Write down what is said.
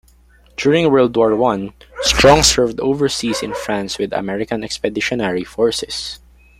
During World War One, Strong served overseas in France with American Expeditionary Forces.